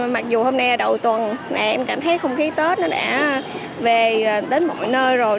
mặc dù hôm nay đầu tuần em cảm thấy không khí tết nó đã về đến mọi nơi rồi